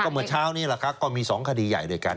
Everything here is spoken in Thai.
เมื่อเช้านี้ก็มี๒คดีใหญ่ด้วยกัน